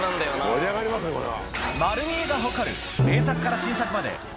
盛り上がりますねこれは。